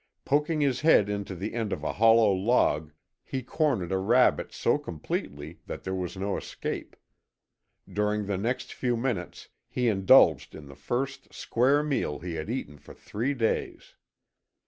Poking his head into the end of a hollow log he cornered a rabbit so completely that there was no escape. During the next few minutes he indulged in the first square meal he had eaten for three days.